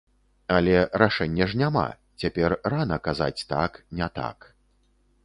Але рашэння ж няма, цяпер рана казаць так, не так.